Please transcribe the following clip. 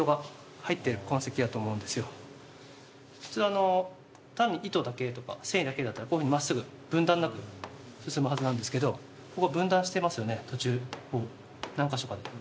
普通、単に糸だけ、繊維だけですとこういうふうにまっすぐ、分断なく進むはずなんですけど、ここは分断していますよね、途中、何か所か。